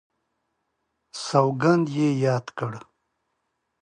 سوګند یې یاد کړ.